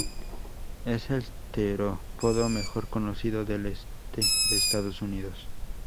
Es el terópodo mejor conocido del este de Estados Unidos.